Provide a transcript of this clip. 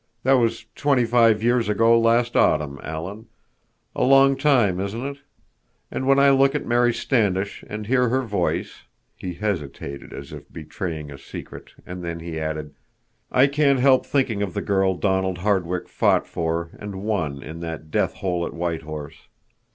That was twenty five years ago last autumn, Alan. A long time, isn't it? And when I look at Mary Standish and hear her voice—" He hesitated, as if betraying a secret, and then he added: "—I can't help thinking of the girl Donald Hardwick fought for and won in that death hole at White Horse.